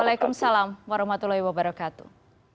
waalaikumsalam warahmatullahi wabarakatuh